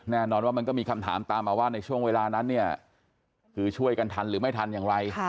แน่นอนว่ามันก็มีคำถามตามมาว่าในช่วงเวลานั้นเนี่ยคือช่วยกันทันหรือไม่ทันอย่างไร